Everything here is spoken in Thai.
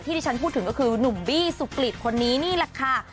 ที่ที่ฉันพูดถึงก็คือหนุ่มบี้สุกริตคนนี้นี่แหละค่ะ